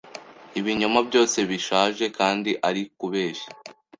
ibinyoma byose bishaje kandi arikubeshya